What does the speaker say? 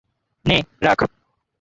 নে, রাখ।